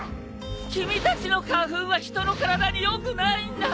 君たちの花粉は人の体に良くないんだ！